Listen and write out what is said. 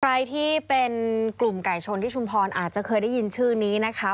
ใครที่เป็นกลุ่มไก่ชนที่ชุมพรอาจจะเคยได้ยินชื่อนี้นะคะ